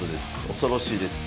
恐ろしいです。